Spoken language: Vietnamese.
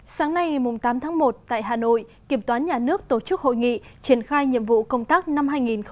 sáng nay ngày tám tháng một tại hà nội kiểm toán nhà nước tổ chức hội nghị triển khai nhiệm vụ công tác năm hai nghìn hai mươi